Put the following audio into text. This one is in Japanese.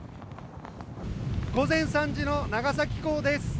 午前３時の長崎港です。